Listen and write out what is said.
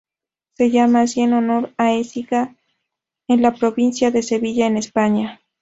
Se llama así en honor a Écija en la provincia de Sevilla en España.